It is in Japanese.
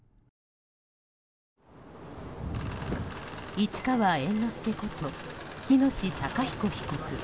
市川猿之助こと喜熨斗孝彦被告。